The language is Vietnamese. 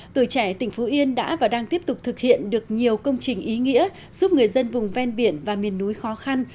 tuổi trẻ tỉnh phú yên đã và đang tiếp tục thực hiện được nhiều công trình ý nghĩa giúp người dân vùng ven biển và miền núi khó khăn